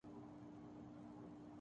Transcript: اٹک jail کا مہمان